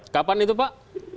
kapan itu pak